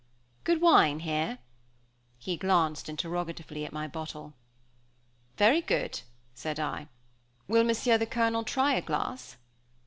Good wine here?" he glanced interrogatively at my bottle. "Very good," said I. "Will Monsieur the Colonel try a glass?"